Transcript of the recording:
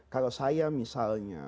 kalau saya misalnya